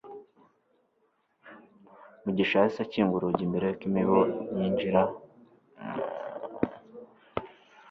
mugisha yahise akinga urugi mbere yuko imibu iyinjiramo